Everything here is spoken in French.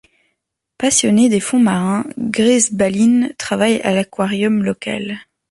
Passionnée des fonds marins, Grace Balin travaille à l'aquarium local.